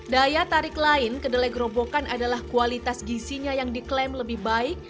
daya tarik lain kedelai gerobokan adalah kualitas gisinya yang diklaim lebih baik